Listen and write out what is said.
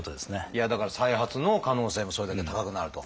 いやだから再発の可能性もそれだけ高くなると。